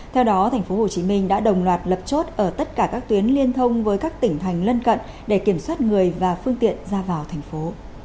theo đó thành phố hồ chí minh đã đồng loạt lập chốt ở tất cả các tuyến liên thông với các tỉnh thành lân cận để kiểm soát người và phương tiện ra vào thành phố